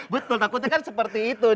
betul takutnya kan seperti itu